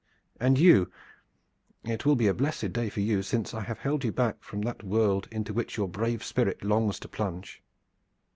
And you it will be a blessed day for you, since I have held you back from that world into which your brave spirit longs to plunge."